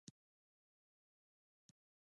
بیرایت د تیلو د برمې په کار کې لګیږي.